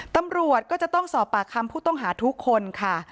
ตำรวจก็จะต้องสอบปากคำผู้ต้องหาทุกคนค่ะ